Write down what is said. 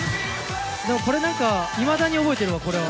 でもこれ何かいまだに覚えてるわこれは。